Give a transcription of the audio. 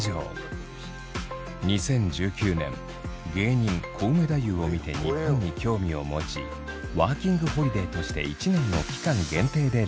２０１９年芸人コウメ太夫を見て日本に興味を持ちワーキングホリデーとして１年の期間限定で来日。